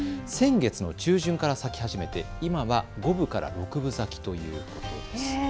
先月の中旬から咲き始めて今は５分から６分咲きだということです。